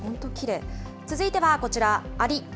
続いてはこちら、アリ。